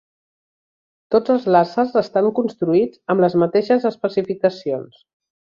Tots els làsers estan construïts amb les mateixes especificacions.